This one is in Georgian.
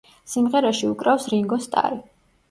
სიმღერაში უკრავს რინგო სტარი.